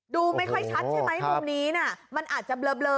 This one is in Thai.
ดูไม่ค่อยชัดใช่ไหมมุมนี้น่ะมันอาจจะเบลอ